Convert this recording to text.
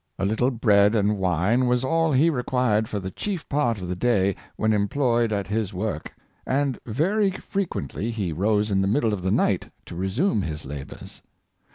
A little bread and wine was all he required for the chief part of the day when employed at his work, and very frequently he rose in the middle of the night to resume his labors.